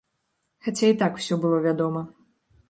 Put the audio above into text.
Хаця і так усё было вядома.